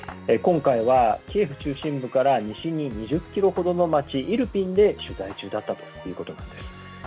今回は、キエフ中心部から西に２０ｋｍほどの街イルピンで取材中だったということなんです。